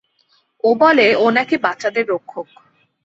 ও বলে ও নাকি বাচ্চাদের রক্ষক।